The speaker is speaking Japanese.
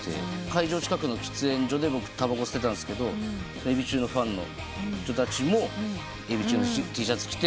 会場近くの喫煙所で僕たばこ吸ってたんですけどエビ中のファンの人たちもエビ中のＴシャツ着て入ってきて。